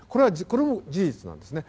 これも事実なんですね。